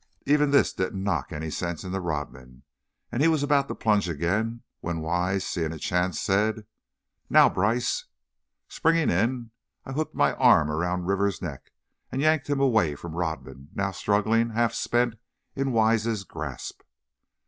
Even this didn't knock any sense into Rodman, and he was about to plunge again, when Wise, seeing a chance, said: "Now, Brice!" Springing in, I hooked my arm around Rivers' neck, and yanked him away from Rodman, now struggling, half spent, in Wise's grasp.